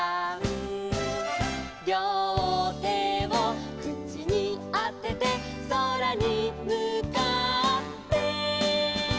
「両手を口にあてて」「空にむかって」